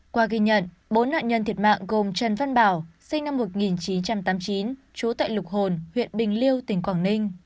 qua ghi nhận bốn nạn nhân thiệt mạng gồm trần văn bảo sinh năm một nghìn chín trăm tám mươi chín trú tại lục hồn huyện bình liêu tỉnh quảng ninh